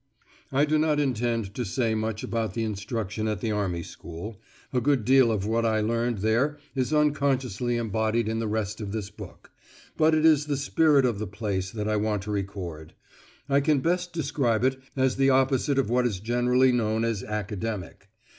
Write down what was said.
I do not intend to say much about the instruction at the Army School a good deal of what I learnt there is unconsciously embodied in the rest of this book but it is the spirit of the place that I want to record. I can best describe it as the opposite of what is generally known as academic.